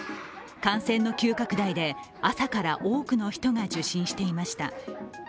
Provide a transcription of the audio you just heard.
感染の急拡大で、朝から多くの人が受診していました。